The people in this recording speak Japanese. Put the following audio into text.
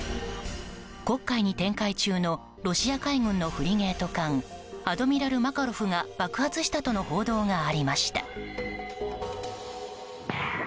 黒海に展開中のロシア海軍のフリゲート艦「アドミラル・マカロフ」が爆発したとの報道がありました。